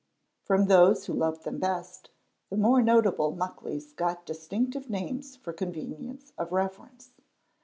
From those who loved them best, the more notable Muckleys got distinctive names for convenience of reference.